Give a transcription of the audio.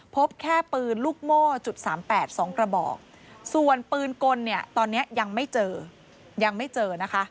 พบแค่ปืนลูกโม่จุดสามแปดสองกระบอกส่วนปืนกลเนี่ยตอนเนี้ยยังไม่เจอ